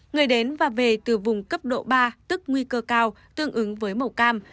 người đến và về từ vùng cấp độ ba tức nguy cơ cao tương ứng với màu cam